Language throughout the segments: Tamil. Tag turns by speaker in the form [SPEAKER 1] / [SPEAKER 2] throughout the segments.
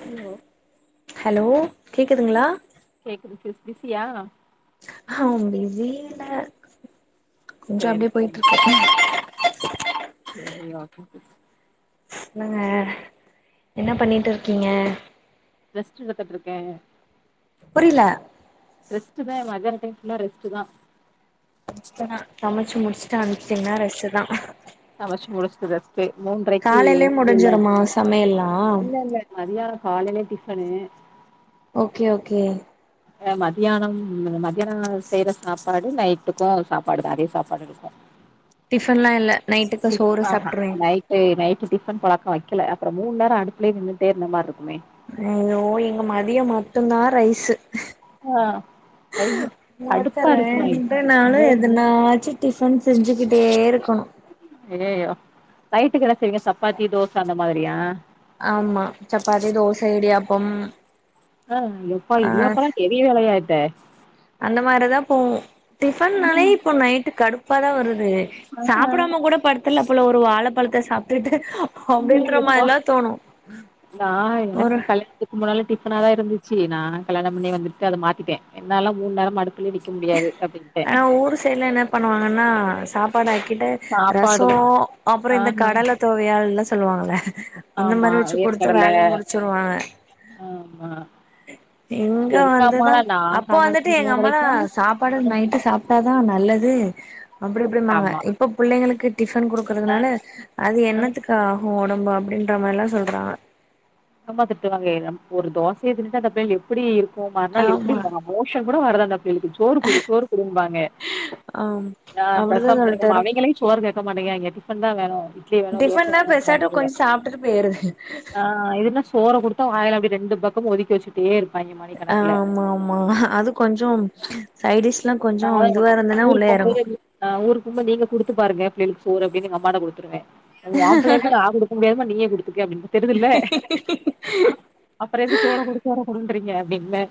[SPEAKER 1] ஹலோ
[SPEAKER 2] ஹலோ கேக்குதுங்களா
[SPEAKER 1] கேக்குது பி பிசியா
[SPEAKER 2] ஆ பிசியில கொஞ்ச
[SPEAKER 1] சரி
[SPEAKER 2] அப்டியே
[SPEAKER 1] சரி
[SPEAKER 2] போயிட்ருக்கு
[SPEAKER 1] சரி ஓகே சிஸ்
[SPEAKER 2] சொல்லுக என்ன பண்ணிட்டு இருக்கீங்க
[SPEAKER 1] ரெஸ்ட்டு எடுத்துட்ருக்கே
[SPEAKER 2] புரில
[SPEAKER 1] ரெஸ்ட்டு தா மதியானடைம் ஃபுல்லா ரெஸ்ட்டு தா
[SPEAKER 2] [unintelligible] தா சமைச்சு முடிச்சுட்டு அனுப்சுடீங்கன்னா ரெஸ்டுதா
[SPEAKER 1] சமச்சு முட்ச்சுட்டு ரெஸ்டு கே மூன்றைக்கு
[SPEAKER 2] காலையிலயே
[SPEAKER 1] இல்ல
[SPEAKER 2] முடிஞ்சிருமா சமையல்லா
[SPEAKER 1] இல்லல்ல நெறையா காலேலே டிஃபனு
[SPEAKER 2] ஓகே ஓகே
[SPEAKER 1] ஆ மத்தியானம் மதியானோ செய்ற சாப்பாடு நைட்டுக்கு சாப்பாடுதா அதே சாப்பாடு இருக்கு
[SPEAKER 2] டிஃபன்லா இல்ல நைட்டுக்கு சோறு
[SPEAKER 1] ஆஹா
[SPEAKER 2] சாப்ட்ருவீங்க
[SPEAKER 1] நைட்டு நைட்டு டிஃபன் பழக்க வக் க்கல அப்றோ மூண நேரோ அடுப்லே நின்னுடே இருந்த மாரி இருக்குமே
[SPEAKER 2] ஐயோ இங்க மதியோ மட்டுதா ரைஸ்
[SPEAKER 1] ஆ ஐயோ
[SPEAKER 2] மாத்த
[SPEAKER 1] கடுப்பா இருக்குமே
[SPEAKER 2] ரேன்டு நாளு
[SPEAKER 1] ஐயோ
[SPEAKER 2] எதனாச்சு டிஃபன் செஞ்சுக்கிட்டே இருக்கணு
[SPEAKER 1] நைட்டுக்கெல்லா செய்வீங்க சப்பாத்தி தோச அந்த மாதிரியா
[SPEAKER 2] ஆமா சப்பாத்தி தோச இடியாப்பம்
[SPEAKER 1] ஆ எப்பா
[SPEAKER 2] ஆ
[SPEAKER 1] இடியப்பலா பெரிய வேலையா ஆச்ச
[SPEAKER 2] அந்த மாரிதா போவோ டிஃபன்னாலே இப்போ நைட்டுக் கடுப் பண வரு உ சாப்பிடாம கூட படுத்திர்லா போல ஒரு வாழப் பழத்த சாப்டுட்டு
[SPEAKER 1] வெளியப் போ நா எனக்கு
[SPEAKER 2] ஒரு
[SPEAKER 1] கல்யாணத்துக்கு முன்னால டிப்பனாதா இருந்துச்சு நா கல்யாண பண்ணி வந்துட்டு அத மாத்திட்டே என்னால மூணு நேரம் அடுப்
[SPEAKER 2] ஆனா ஊர் சைடுல என்ன பண்ணுவாங்கன்னா சாப்பாடு ஆயிக் கிட்டு ரசோ
[SPEAKER 1] சாப்பாடுதா
[SPEAKER 2] அப்புறோ இந்த
[SPEAKER 1] ஆஹா
[SPEAKER 2] கடல தொவையல்லா செஞ் சொல்லுவாங்கள அந்த
[SPEAKER 1] ஆமா
[SPEAKER 2] மாரி வெச்சு குடுத்து
[SPEAKER 1] வேர்க்கடல
[SPEAKER 2] வேலைய முடுச்சுருவாங்க
[SPEAKER 1] ஆமா
[SPEAKER 2] இங்க
[SPEAKER 1] எங்க
[SPEAKER 2] வந்துதா
[SPEAKER 1] அம்மாலா நா
[SPEAKER 2] அப்போ வந்துட்டு
[SPEAKER 1] கல்யாணத்துக்கு
[SPEAKER 2] எங்க
[SPEAKER 1] முன்னால
[SPEAKER 2] அம்மாலா
[SPEAKER 1] வரைக்கு
[SPEAKER 2] சாப்பாடு நைட்டு சாப்டாதா நல்லத் து அப்டி இப்டிம்பாங்க
[SPEAKER 1] ஆமா
[SPEAKER 2] இப்ப புள்ளைங்களுக் டிஃபன்
[SPEAKER 1] ஆ
[SPEAKER 2] குடுக்குறதுனால அது
[SPEAKER 1] ஆ
[SPEAKER 2] என்னத்துக்கு ஆகு கு ஒடம்பு அப்டின்ற மாரில்லா சொல்றாங்க
[SPEAKER 1] அம்மா திட்டுவாங்க ஒரு தோசைய தின்னுதுட்டு அந்த புள்ளைக எப்டி இருக் கு மணல் எப்டி
[SPEAKER 2] ஆமா
[SPEAKER 1] போ மோஷன் கூட வராது அப் டிங்கு சோறு குடு சோறு குடும்பாங்க
[SPEAKER 2] ஆம்
[SPEAKER 1] அ
[SPEAKER 2] அப்டிதா
[SPEAKER 1] [unintelligible]
[SPEAKER 2] சொல்ட்டாரு
[SPEAKER 1] அவிங்களே சோறு கேக்க மாட்டேகிராங்க எப்டி பண்ணா வரு
[SPEAKER 2] டிஃபன்னா பெசாட்டு கொஞ்சோ சாப்டுட்டு போயிருதுங்க
[SPEAKER 1] போற குடுத்த வாயில அப்டி ரெண்டு பக்கமு ஒதுக்கி வெச்சுட்டே இருக்
[SPEAKER 2] ஆ ஆமா ஆமா அது கொஞ்சோம் சைடிஸ்
[SPEAKER 1] [inaudible] ஊருக் போம் போது ஊருக் சும்மா நீங்க குடுத்து பாருங்க புள்ளைளுக்கு சோறு அப்டின்னு எங்க அம்மாட்ட குடுத்துருவே அது ஆப்பு ளேட்டா நா குடுக்க முடியாதும்மா நீயே குடு த்துக்கு அப்டின் தெரிதுல அப்புறோ எது சோரா குடுக்க போறோ குடுன்றீங்க அப்டின்னு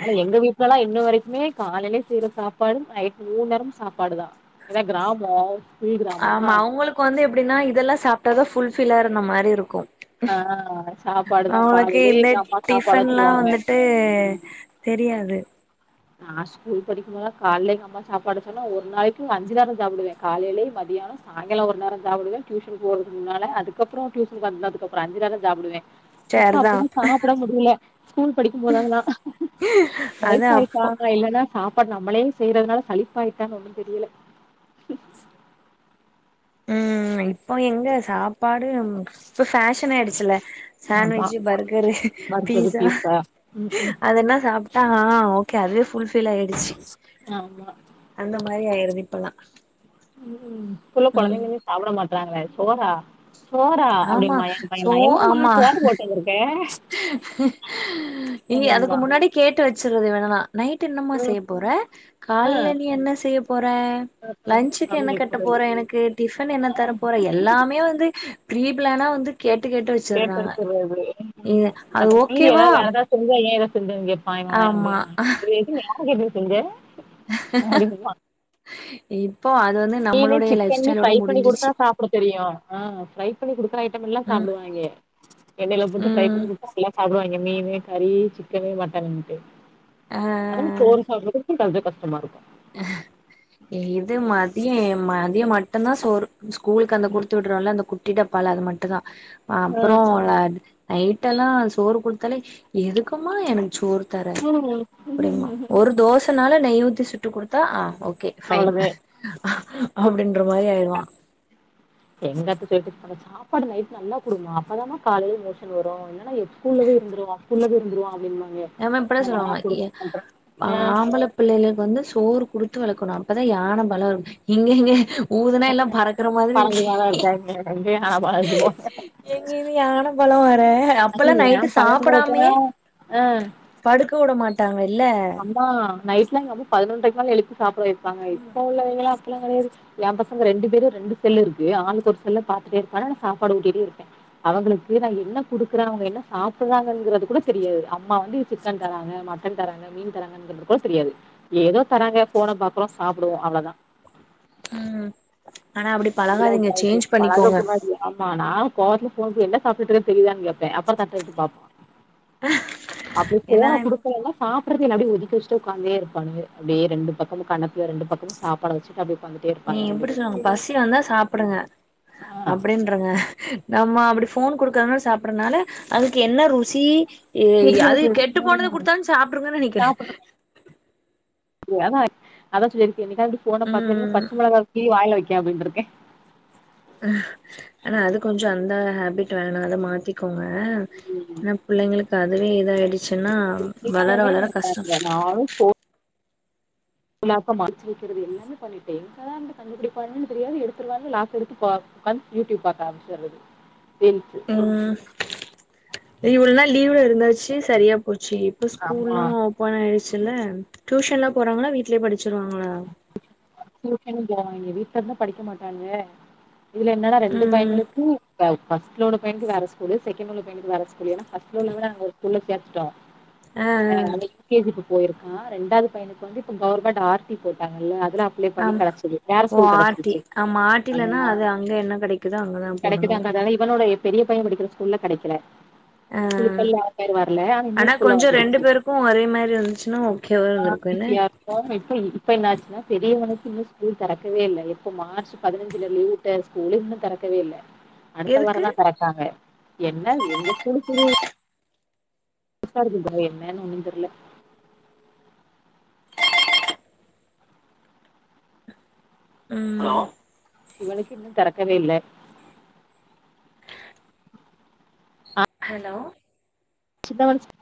[SPEAKER 1] ஆனா எங்க வீட்லல்லா எப் இன்ன வரைக்குமே காலையிலயே செய்யற சாப்பாடு நைட்டு் மூணு நேரமு சாப்பாடுதா எதா கிராமோ குழி கிராமமா
[SPEAKER 2] ஆமா அவங்களுக்கு வந்து எப்டின்னா இதெல்லா சாப்ட்டாதா ஃபுல் ஃபில்லா இருந்த மாரி இருக்கு
[SPEAKER 1] ஆ சாப்பாடுதா
[SPEAKER 2] அவங்களுக்கு
[SPEAKER 1] காலையிலே
[SPEAKER 2] இந்த
[SPEAKER 1] எங்க அம்மா சாப்பாடு
[SPEAKER 2] டிஃபன்ல்லா
[SPEAKER 1] வச்சிருவாங்க
[SPEAKER 2] வந்துட்டு
[SPEAKER 1] ம்
[SPEAKER 2] தெரியாது
[SPEAKER 1] நா ஸ்கூல் படிக்கும் போதெல்லா கால்லயே எங்க அம்மா சாப்பாடு சொன்னா ஒரு நாளைக்கு அஞ்ச நேரோ சாப்புடுவ காலைல மதியானோ சாயங்காலோ ஒரு நேரோ சாப்புடுவ டியூசன்க்கு போறதுக்கு முன்னால அதுக்கப்புறோ டியூசனுக்கு வந்ததுக்கு அப்புறோ அஞ்சு நேரஞ் சாப்புடுவ இப்ப
[SPEAKER 2] சேர்தா
[SPEAKER 1] அப்டில்லா சாப்புட முடில ஸ்கூல் படிக்கும் போது அது எல்லா
[SPEAKER 2] அது
[SPEAKER 1] வைஸ் ஆயிருச்
[SPEAKER 2] அப்போ
[SPEAKER 1] கோணக்கா இல்லனா சாப் இப்ப நம்மளே செய்யறதுனால சழிப்பாயிட்டான் ஒண்ணு தெரியல
[SPEAKER 2] ம் ம் இப்போ எங்க சாப் பாடு இப்ப பேஷனயிடுச்சில
[SPEAKER 1] ஆமா
[SPEAKER 2] ஸ்சாண்விட்சி பர்கரு
[SPEAKER 1] வறுத்தது
[SPEAKER 2] பீஸா
[SPEAKER 1] ம் ம்
[SPEAKER 2] அதெல்லா சாப் ட்டா ஆ ஒகே அது வே ஃபுல் ஃபில் ஆயிடுச்சி
[SPEAKER 1] ஆமா
[SPEAKER 2] அந்த மாரி ஆயிரு ரிப்பலா
[SPEAKER 1] ம் ம் ப்புல கெழந்தைங்லுமே சாப்பிட மாட் ட்றாங்க சோறா சோரா
[SPEAKER 2] ஆமா
[SPEAKER 1] அப்பிடிம்பா ஏ
[SPEAKER 2] சோ
[SPEAKER 1] பையபா எம்ம்மா
[SPEAKER 2] ஆமா
[SPEAKER 1] சோறு போட்டுனு இருக்க
[SPEAKER 2] நீ அதுக்கு
[SPEAKER 1] அப்டிம்பா
[SPEAKER 2] முன்னாடி கேட்டுவச் ச்சிறது வேணுன்னா நைட் என்னமா
[SPEAKER 1] ம்
[SPEAKER 2] செய்ய போற
[SPEAKER 1] ஆ
[SPEAKER 2] காலில நீ என்ன செய்ய போற
[SPEAKER 1] ம்.
[SPEAKER 2] லஞ்ன்சுக்கு
[SPEAKER 1] அப்படி
[SPEAKER 2] என்ன கட்ட
[SPEAKER 1] கேட்கறது
[SPEAKER 2] போற எனக்கு டிஃபன் என்ன தர போற எல்லாமே வந்து பிரீப்பிலனா வந்து கே ட்டு கேட்டு வச்சறாங்க
[SPEAKER 1] வச்சுர்றது ம்
[SPEAKER 2] இத அது ஓகேவா
[SPEAKER 1] [unintelligible] [unintelligible]
[SPEAKER 2] ஆமா
[SPEAKER 1] அடக்கு எப்பிடி செஞ்ச அடிம்பா
[SPEAKER 2] இப்போ அது வந்து
[SPEAKER 1] மீனு
[SPEAKER 2] நம்மளுடைய லைஃப்
[SPEAKER 1] சிக்கன்னு
[SPEAKER 2] ஸ்டைலோட
[SPEAKER 1] ஃப்ரை பண்ணி குடுத்தா
[SPEAKER 2] முடிஞ்சிச்சு
[SPEAKER 1] சாப்புட தெரியு ஆ ஃப்ரை பண்ணி குடுக்குற ஐட்டம் எல்லா
[SPEAKER 2] ம்
[SPEAKER 1] சாப்புடுவாய்ங்க எண்ணெயில போட்டு ஃரை
[SPEAKER 2] ம்
[SPEAKER 1] பண்ணி குடுத்தா நல்லா சாப்புடுவாய்ங்க மீனு கறி சிக்கனு மட்டனுட்டு அதம சோறு [unintelligible] மா ருக்கு
[SPEAKER 2] அ ஏ [inaudible] அது மதியே மதியோ மட் என்னா சோறு ஸ்கூலுக்கு அந்த குடுத்து உட்றோல அந்த கு டிட்டப்பால் அது மட்டுதா அப்புறோல நைட்டெல்லா சோறு குடுத்தாலே எதுக்குமா எனக் சோறு தர அப்ரமா ஒரு தோசனாலு நெய் ஊத் ட்டு குடுத்தா ஆ ஓக் கே ஃபைன்
[SPEAKER 1] அவ்ளோதே
[SPEAKER 2] அப்டின் ன்ர மாரி ஆயிறுவா
[SPEAKER 1] எங்கத்த சொல்ட்டு இருப்பாங்க சாப்பாடு நைட் நல்லா கொடுமா அப்பதாமா காலையில் மோஷன் வரு இல்லனா ஸ்கூல்லவே இருந்துருவா ஸ்கூல்லவே இருந்துருவா அப்டின்னுவா
[SPEAKER 2] ஏமா இப்டே சொல்லுவாங்க எ
[SPEAKER 1] ஆஹ்
[SPEAKER 2] ஆம்பல பிள்ளேலு வந்து சோறு குடுத்து வளக்கணு அப்பதா யான பலோ இருக்கு இங்கங்க ஊதுனா எல்லா பறக்குற மாதிரி இருக்கு
[SPEAKER 1] வா [inaudible]
[SPEAKER 2] பா ஏ அப்பல்லா நைட்டு சாப்பிடாமயே
[SPEAKER 1] ஆ
[SPEAKER 2] படுக்க விட மாட்டே டாங்க
[SPEAKER 1] அம்மா நைட் ட் டா எங்க அம்மா பதின்நொன்றரைக்கலா எழுப்பி சாப்ட வைபாங்க இப்ப உள்ளவைங்களா பிள்ளா கெடையாது எ பசங்க ரெண்டு பேரு ரெண்டு செல்லு இருக்கு ஆளுக்கு ஒரு செல்ல பாத்ட்டே இருப்பான்ங்க நா சாப்பாடு ஊட்டிட்டே இருப்பே அவங்களுக்கு நா என்ன குடுக்குறே அவங்க என்ன சாப்டுறாங்கனு கூட தெரியாது அம்மா வந்து சிக்கன் தராங்க மட்டன் தராங்க மீன் தராங்குறது கூட தெரியாது ஏதோ தராங்க ஃபோன பாக்றோ சாப்டுவோ அவ்ளோதா
[SPEAKER 2] உ
[SPEAKER 1] [unintelligible] ஆய்ட்டு பழக கூடாது ஆமா நா கோவத்துல போ என்ன சாப்ட்டுட்டு இருக்கனு தெரியுதான்னு கேப்பே அப்பறோ தட்டெடுத்து பாப்பா அப்டி
[SPEAKER 2] ஏன்னா
[SPEAKER 1] ஃபோன குடுக்கலனா சாப் றதேல்ல அப்டி ஒதுக்கி வச்சிட்டு உட்காந்தே இருப்பான்ங்க அப்டியே ரெண்டு பக்கமு கண்ணத்துல ரெண்டு பக்கமு சாப்பாட வச்சுட்டு அப்டியே
[SPEAKER 2] நீ எப்டி சொல்லனு பசி வந்தா சாப்டுங்க அப்டின்ருங்க நம்ம அப்டி ஃபோன் குடுக்கறனால சாப்ட்றதுனால அதுக்கு என்ன ருசி ஏய் அது
[SPEAKER 1] தெரியாது
[SPEAKER 2] கெட்டு போனத குடுத்தாலு சாப்ட்ருங்கன்னு நெனைக்கிறே
[SPEAKER 1] ஏன்னா அதா சேரி என்னைக்காது இப்டி போன பாக்கையில பச்ச
[SPEAKER 2] ம்
[SPEAKER 1] மிளகாவ கிள்ளி வாய்ல வை கே அப்டின்ருக்க
[SPEAKER 2] ஆனா அது கொஞ் ச் அந்த ஹேபிட் வேணா அத மாத்திக்கோங்க ஏன்னா பிள்ளைங்களுக்கு அதுவே இதா ச்சின்னா வளர
[SPEAKER 1] வைக்கவே
[SPEAKER 2] வளர கஷ்டோ
[SPEAKER 1] மாட்டாங்க [inaudible] மறச்சு வக்கிறது எல்லாமே பண்ணிட்டே எங்கதா இருந்து கண்டுபிடிப்பாங்கன்னு தெரியாது எடுத்துருவாங்க லாக் எடுத்து பா உக்காந்து யூடியூப் பாக்க ஆரமிச்சிர்றது ரீல்ஸு
[SPEAKER 2] ஆ இவ்ளோ நாள் லீவ்ல இருந்தாச்சு சரியா போ ச்சு இப்ப
[SPEAKER 1] ஆமா
[SPEAKER 2] ஸ்கூல்லா ஓபன் ஆயி ருச்சல்ல டியூஷன்லா போறாங்களா வீட்லயே படிச்சிருவாங்களா
[SPEAKER 1] டியூஷன் போவாங்க வீட்ல இருந்தா படிக்க மாட்டாங்க இதுல என்னனா ரெண்டு
[SPEAKER 2] ம்
[SPEAKER 1] பயங்களுக்கு ஆ ஃபஸ்ட்ல உள்ள பையனுக்கு வேற ஸ்கூலு செகண்ட்ல உள்ள பையனுக்கு வேற ஸ்கூலு ஏன்னா ஃபஸ்ட்ல உள்ளவன அங்க ஒரு ஸ்கூல்ல சே த்தோ ஆ அவ எல் கே ஜி க்கு போயிருக்கா ரெண்டாவது பையனுக்கு வந்து இப்ப கவர்மெண்ட் ஆர் டி போட்டாங்கல்ல அதுல அப்
[SPEAKER 2] ஆ ஓ ஆர் டி ஆமா ஆர் டி லனா அது அங்க என்ன கெடைக்குதோ அங்கதா போடணு.
[SPEAKER 1] கிடைக்குதான்றதால இவனோட பெரிய பைய படிக்கிற ஸ்கூல்ல கெடைக்கல
[SPEAKER 2] ஆ ஆனா
[SPEAKER 1] இன்னொரு ஸ்கூல்ல
[SPEAKER 2] கொஞ்சோ ரெண்டு
[SPEAKER 1] வந்துருச்சு
[SPEAKER 2] பேருக்கு ஒரே மாரி இருந்துச்சுன்னா ஓகேவா இருந்திருக்கு என்ன
[SPEAKER 1] ஈஸியா ரியவனுக்கு இன்னு ஸ்கூல் தெறக்கவே இல்லை எப்ப மார்ச் பதினஞ்சுல லீவ் உட்ட ஸ்கூலு இன்னு தெறக்கவே இல்ல அடுத்த
[SPEAKER 2] எதுக்கு
[SPEAKER 1] வாரந்தா தெறப்பாங்க என்ன எங்க ஸ்கூலுக்கு லீ புதுசா இருக்குது இதல்லா என்னன்னு ஒண்ணுந் தெர்ல
[SPEAKER 2] ம்
[SPEAKER 1] இவனுக்கு இன்னு தெறக்கவே இல்ல
[SPEAKER 2] ஹலோ
[SPEAKER 1] சின்னவனுக்கு ஸ்